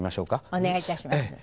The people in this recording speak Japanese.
お願い致します。